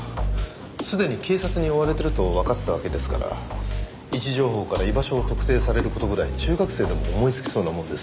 すでに警察に追われてるとわかっていたわけですから位置情報から居場所を特定される事ぐらい中学生でも思いつきそうなもんです。